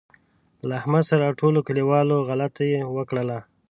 له احمد سره ټولوکلیوالو غلطه وکړله.